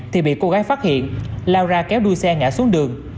thì bị cô gái phát hiện lao ra kéo đuôi xe ngã xuống đường